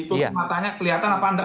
di turun matanya kelihatan apa enggak